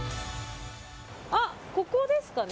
あ、ここですかね？